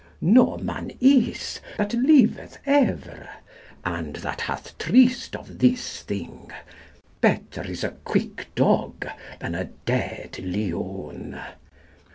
No man is", that lyueth euere, and that 4 hath trist of this thing ; betere is a quik dogge* than a deed lioun.